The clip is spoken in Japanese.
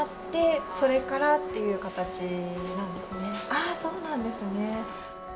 ああそうなんですね。